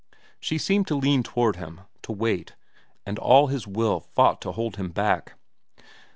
She seemed to lean toward him, to wait, and all his will fought to hold him back.